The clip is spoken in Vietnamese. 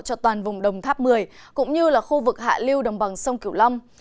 cho toàn vùng đồng tháp một mươi cũng như là khu vực hạ lưu đồng bằng sông cửu long